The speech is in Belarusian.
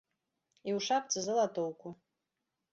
І у шапцы залатоўку.